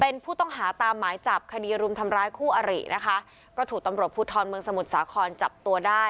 เป็นผู้ต้องหาตามหมายจับคดีรุมทำร้ายคู่อรินะคะก็ถูกตำรวจภูทรเมืองสมุทรสาครจับตัวได้